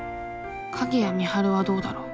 鍵谷美晴はどうだろう？